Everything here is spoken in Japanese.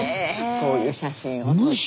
こういう写真を撮って。